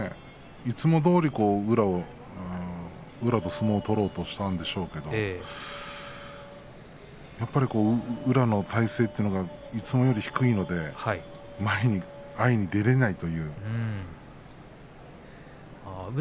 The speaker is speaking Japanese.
いつもどおり宇良と相撲を取ろうとしたんでしょうけれどやはり宇良の体勢というのがいつもより低いので前に出られませんでした御嶽海。